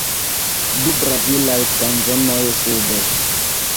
Du brazilaj kanzonoj, sube.